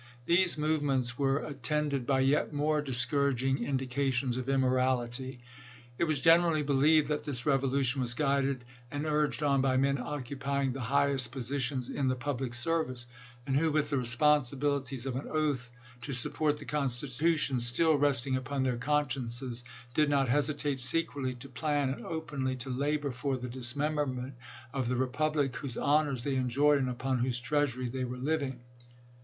These movements were attended by yet more discouraging in dications of immorality. It was generally believed that this revolution was guided and urged on by men occupying the highest positions in the public service, and who, with the responsibilities of an oath to support the Constitu tion still resting upon their consciences, did not hesitate secretly to plan and openly to labor for the dismember ment of the republic whose honors they enjoyed and upon whose treasury they were living.